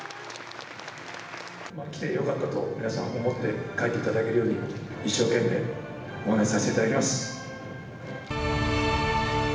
来てよかったと、皆さん思って帰っていただけるように一生懸命お話しさせていただきます。